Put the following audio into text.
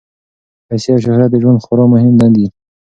پیسې او شهرت د ژوند خورا مهم نه دي.